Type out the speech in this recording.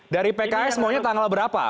dari pks maunya tanggal berapa